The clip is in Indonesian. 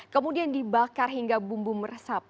kemudian dibakar hingga bumbu meresap